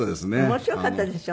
面白かったですよね。